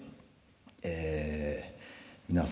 え皆様